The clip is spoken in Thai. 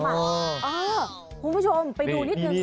คุณผู้ชมไปดูนิดนึง